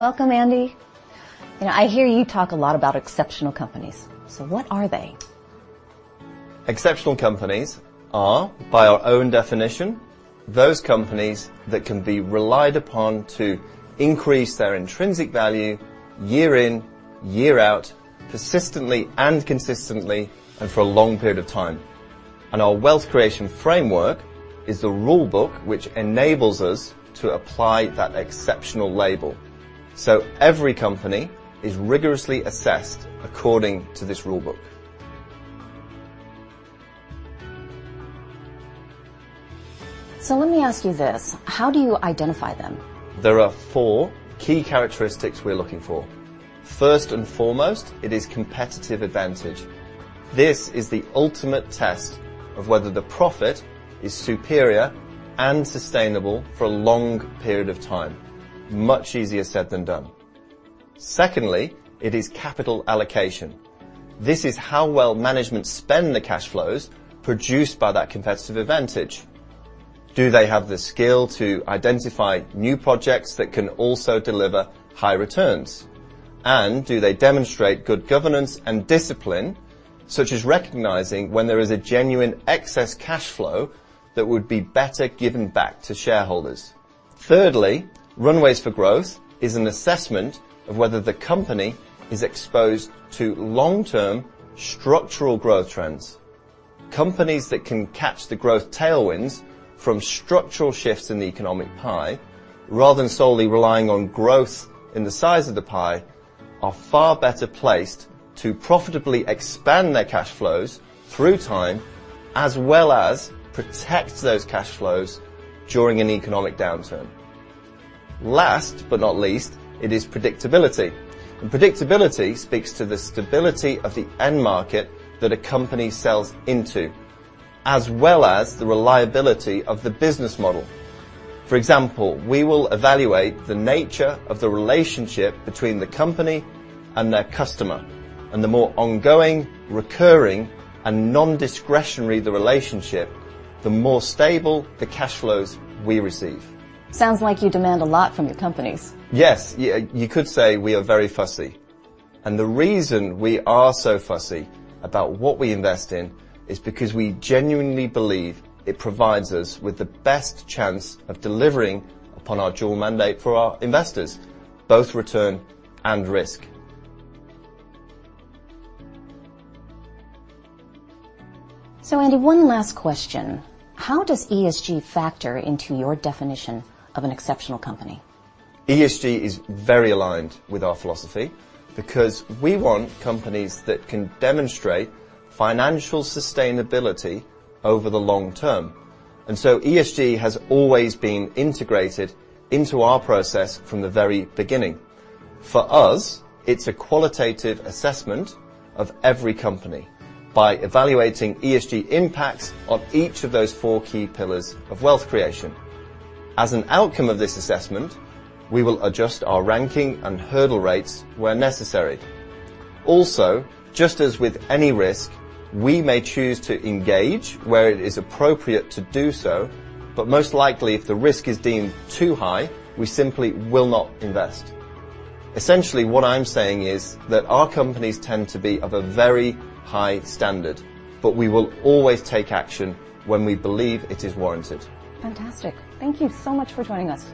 Welcome, Andy. You know, I hear you talk a lot about exceptional companies. What are they? Exceptional companies are, by our own definition, those companies that can be relied upon to increase their intrinsic value year in, year out, persistently and consistently and for a long period of time. Our wealth creation framework is the rule book which enables us to apply that exceptional label. Every company is rigorously assessed according to this rule book Let me ask you this. How do you identify them? There are four key characteristics we're looking for. First and foremost, it is competitive advantage. This is the ultimate test of whether the profit is superior and sustainable for a long period of time. Much easier said than done. Secondly, it is capital allocation. This is how well management spend the cash flows produced by that competitive advantage. Do they have the skill to identify new projects that can also deliver high returns? Do they demonstrate good governance and discipline, such as recognizing when there is a genuine excess cash flow that would be better given back to shareholders? Thirdly, runways for growth is an assessment of whether the company is exposed to long-term structural growth trends. Companies that can catch the growth tailwinds from structural shifts in the economic pie rather than solely relying on growth in the size of the pie are far better placed to profitably expand their cash flows through time as well as protect those cash flows during an economic downturn. Last but not least, it is predictability. Predictability speaks to the stability of the end market that a company sells into, as well as the reliability of the business model. For example, we will evaluate the nature of the relationship between the company and their customer, and the more ongoing, recurring, and non-discretionary the relationship, the more stable the cash flows we receive. Sounds like you demand a lot from your companies. Yes. You could say we are very fussy. The reason we are so fussy about what we invest in is because we genuinely believe it provides us with the best chance of delivering upon our dual mandate for our investors, both return and risk. Andy, one last question. How does ESG factor into your definition of an exceptional company? ESG is very aligned with our philosophy because we want companies that can demonstrate financial sustainability over the long term. ESG has always been integrated into our process from the very beginning. For us, it's a qualitative assessment of every company by evaluating ESG impacts of each of those four key pillars of wealth creation. As an outcome of this assessment, we will adjust our ranking and hurdle rates where necessary. Just as with any risk, we may choose to engage where it is appropriate to do so, but most likely if the risk is deemed too high, we simply will not invest. What I'm saying is that our companies tend to be of a very high standard, but we will always take action when we believe it is warranted. Fantastic. Thank you so much for joining us.